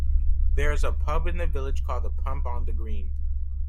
There is a pub in the village called the "Pump on the Green".